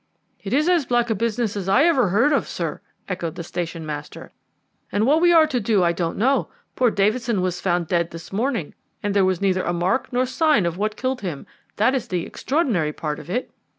"It is as black a business as I ever heard of, sir," echoed the station master; "and what we are to do I don't know. Poor Davidson was found dead this morning, and there was neither mark nor sign of what killed him that is the extraordinary part of it.